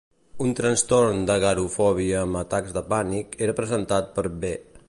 Un trastorn d'agorafòbia amb atacs de pànic era presentat per B.